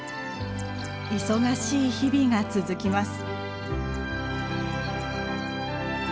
忙しい日々が続きます。